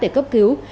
để cấp cứu